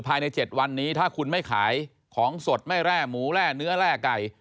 ภายใน๗วันนี้ถ้าคุณไม่ขายของสดไม่แร่หมูแร่เนื้อแร่ไก่